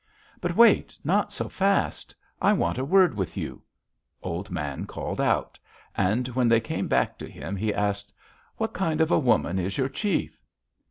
"'But wait. Not so fast. I want a word with you,' Old Man called out; and when they came back to him, he asked: 'What kind of a woman is your chief?'